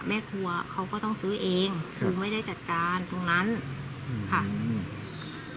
แม่ครัวเขาก็ต้องซื้อเองคือไม่ได้จัดการตรงนั้นค่ะอืม